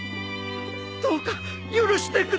どうか許してください。